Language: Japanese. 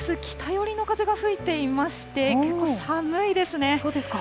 北寄りの風が吹いていまして、結構寒いですね。